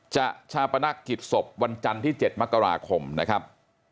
ชาปนักกิจศพวันจันทร์ที่๗มกราคมนะครับ